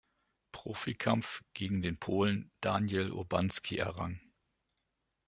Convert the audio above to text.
Profikampf gegen den Polen Daniel Urbanski errang.